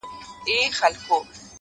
زما خوبـونو پــه واوښـتـل-